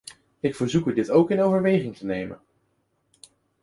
Ik verzoek u dit ook in overweging te nemen.